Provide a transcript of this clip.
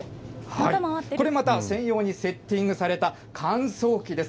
これまた専用にセッティングされた乾燥機です。